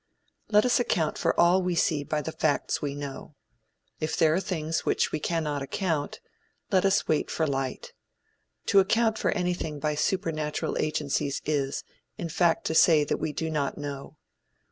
Let us account for all we see by the facts we know. If there are things for which we cannot account, let us wait for light. To account for anything by supernatural agencies is, in fact to say that we do not know.